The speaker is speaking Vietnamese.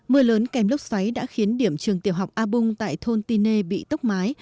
mưa lớn kèm lốc xoáy đã khiến điểm trường tiểu học a bung tại thôn tine bị tốc mái